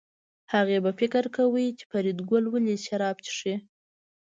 هغې به فکر کاوه چې فریدګل ولې شراب څښي